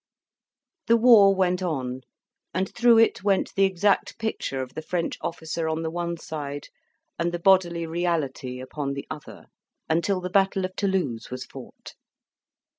The war went on and through it went the exact picture of the French officer on the one side, and the bodily reality upon the other until the Battle of Toulouse was fought.